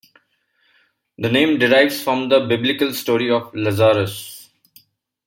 The name derives from the Biblical story of Lazarus.